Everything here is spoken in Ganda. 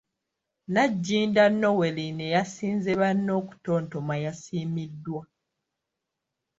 Nagginda Noeline eyasinze banne okutontoma yasiimiddwa.